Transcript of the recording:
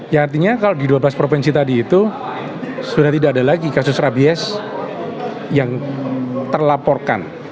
ya artinya kalau di dua belas provinsi tadi itu sudah tidak ada lagi kasus rabies yang terlaporkan